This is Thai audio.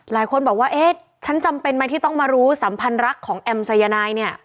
หลายคนบอกว่าเอ๊ะฉันจำเป็นไหมที่ต้องมารู้สัมพันธ์รักของแอมสายนายเนี่ย